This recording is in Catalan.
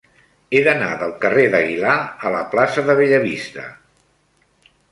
He d'anar del carrer d'Aguilar a la plaça de Bellavista.